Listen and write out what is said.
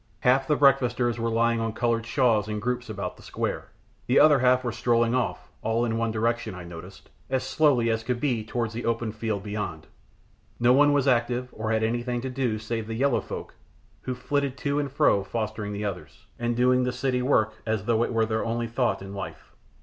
Half the breakfasters were lying on coloured shawls in groups about the square; the other half were strolling off all in one direction, I noticed as slowly as could be towards the open fields beyond; no one was active or had anything to do save the yellow folk who flitted to and fro fostering the others, and doing the city work as though it were their only thought in life.